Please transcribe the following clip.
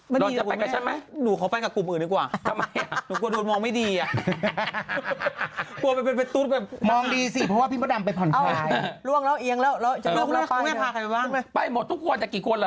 นอดจะไปกับฉันมั้ยเดี๋ยวไม่ดีอย่างงี้แฟะนอนไปกับหนูขอไปกับกลุ่มอื่นนี่กว่า